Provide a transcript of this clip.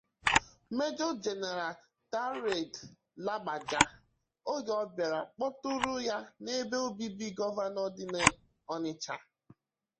'Major General' Taoreed Lagbaja oge ọ bịara kpọtụrụ ya n'ebe obibi Gọvanọ dị n'Ọnịtsha.